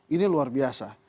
ini luar biasa